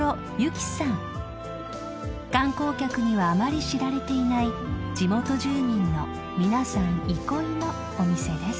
［観光客にはあまり知られていない地元住民の皆さん憩いのお店です］